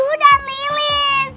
kenalin nama aku lilis